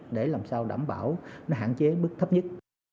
để làm sao đảm bảo hạn chế bước thấp nhất